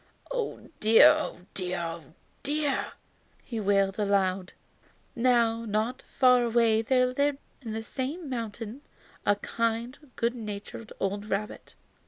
"Oh dear, oh dear, oh dear!" he wailed aloud. Now, not far away there lived in the same mountain a kind, good natured old rabbit.